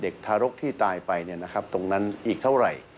เด็กทารกที่ตายไปเนี่ยนะครับตรงนั้นอีกเท่าไหร่